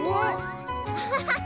ハハハハ！